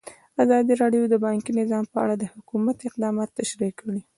ازادي راډیو د بانکي نظام په اړه د حکومت اقدامات تشریح کړي.